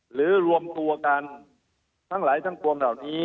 หรือรวมตัวกันทั้งหลายทั้งครองไหน